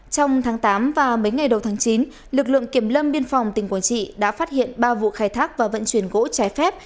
trong tháng tám và mấy ngày đầu tháng chín lực lượng kiểm lâm biên phòng tỉnh quảng trị đã phát hiện ba vụ khai thác và vận chuyển gỗ trái phép